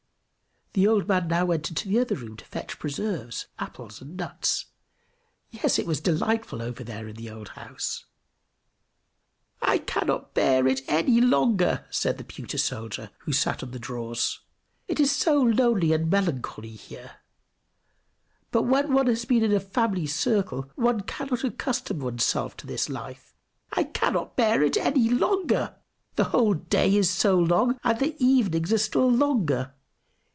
The old man now went into the other room to fetch preserves, apples, and nuts yes, it was delightful over there in the old house. "I cannot bear it any longer!" said the pewter soldier, who sat on the drawers. "It is so lonely and melancholy here! But when one has been in a family circle one cannot accustom oneself to this life! I cannot bear it any longer! The whole day is so long, and the evenings are still longer!